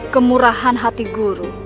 kemurahan hati guru